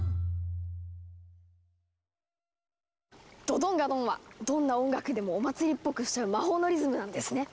「ドドンガドン」はどんな音楽でもお祭りっぽくしちゃう魔法のリズムなんですね。